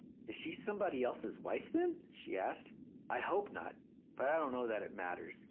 "Is she somebody else's wife, then?" she asked. "I hope not. But I don't know that it matters.